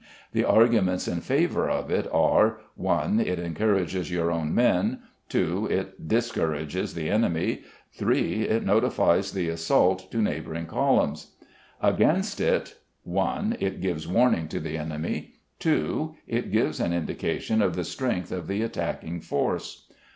The arguments in favour of it are:— 1. It encourages your own men. 2. It discourages the enemy. 3. It notifies the assault to neighbouring columns. Against it:— 1. It gives warning to the enemy. 2. It gives an indication of the strength of the attacking force.